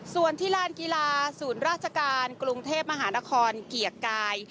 ส่วนที่ลานกีฬาศูนย์ราชการกรุงเทพมหานครเกียรติกาย